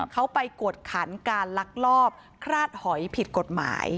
เขาไปกวดขันการลักลอบคราดหอยผิดกฎหมาย